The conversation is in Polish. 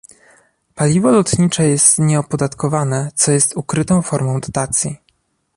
Paliwo lotnicze jest nieopodatkowane, co jest ukrytą formą dotacji